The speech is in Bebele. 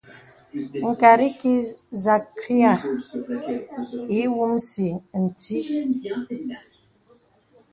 Ŋkàt ikī sàkryāy ǐ wùmsì nti.